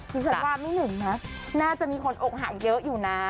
ฉันว่าไม่หนึ่งนะน่าจะมีคนอกหักเยอะอยู่นะ